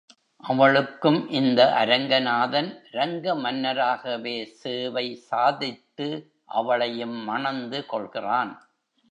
அவளுக்கும் இந்த அரங்கநாதன் ரங்கமன்னாராகவே சேவை சாதித்து அவளையும் மணந்து கொள்கிறான்.